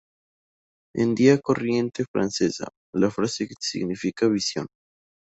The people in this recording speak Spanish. En día corriente francesa, la frase significa "visión".